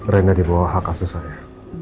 reina dibawa hak asuh saya